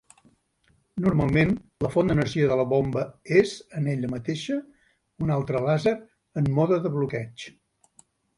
Normalment, la font d'energia de la bomba és, en ella mateixa, un altre làser en mode de bloqueig.